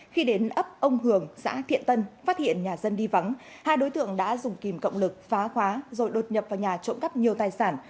khi đến ấp ông hường xã thiện tân phát hiện nhà dân đi vắng hai đối tượng đã dùng kìm cộng lực phá khóa rồi đột nhập vào nhà trộm cắp nhiều tài sản